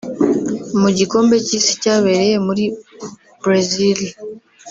Mu gikombe cy’Isi cyabereye muri Brazil